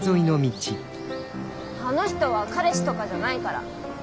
あの人は彼氏とかじゃないから。